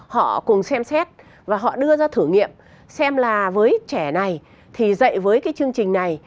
họ cùng xem xét và họ đưa ra thử nghiệm xem là với trẻ này thì dạy với cái chương trình này